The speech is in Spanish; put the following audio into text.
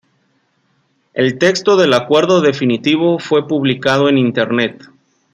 El texto del acuerdo definitivo fue publicado en Internet.